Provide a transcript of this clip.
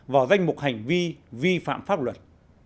vào danh mục hành vi vi phạm pháp luật